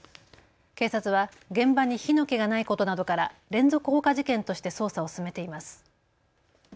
警察は現場に火の気がないことなどから連続放火事件として捜査を進めています。